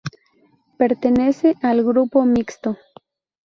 Pertenece al Grupo Mixto.